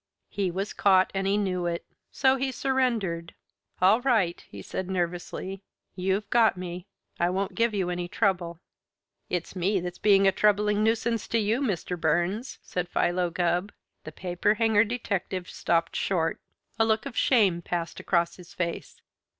He was caught and he knew it. So he surrendered. "All right!" he said nervously. "You've got me. I won't give you any trouble." "It's me that's being a troubling nuisance to you, Mr. Burns," said Philo Gubb. The paper hanger detective stopped short. A look of shame passed across his face.